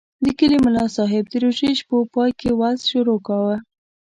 د کلي ملاصاحب د روژې شپو پای کې وعظ شروع کاوه.